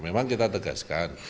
memang kita tegaskan